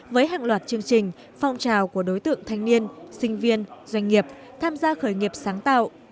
với hàng loạt chương trình phong trào của đối tượng thanh niên sinh viên doanh nghiệp tham gia khởi nghiệp sáng tạo